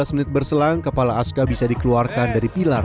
lima belas menit berselang kepala aska bisa dikeluarkan dari pilar